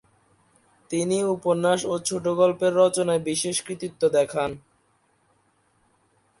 তিনি উপন্যাস ও ছোটগল্প রচনায় বিশেষ কৃতিত্ব দেখান।